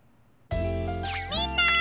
みんな！